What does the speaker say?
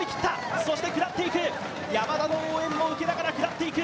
そして食らっていく、山田の応援も受けながら食らっていく。